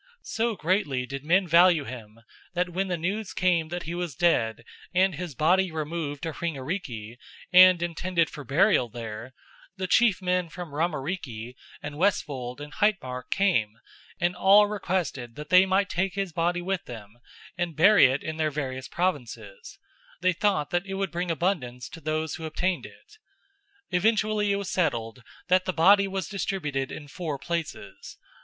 So greatly did men value him that when the news came that he was dead and his body removed to Hringariki and intended for burial there, the chief men from Raumariki and Westfold and Heithmörk came and all requested that they might take his body with them and bury it in their various provinces; they thought that it would bring abundance to those who obtained it. Eventually it was settled that the body was distributed in four places.